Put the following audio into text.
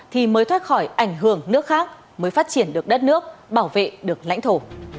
thì mới thoát khỏi ảnh hưởng nước khác mới phát triển được đất nước bảo vệ được lãnh thổ